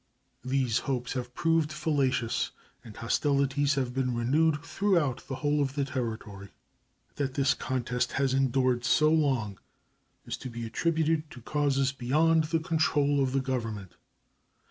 These hopes have proved fallacious and hostilities have been renewed throughout the whole of the Territory. That this contest has endured so long is to be attributed to causes beyond the control of the Government.